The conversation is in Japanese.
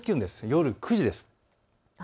夜９時です。